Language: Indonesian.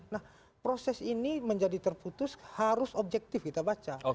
nah proses ini menjadi terputus harus objektif kita baca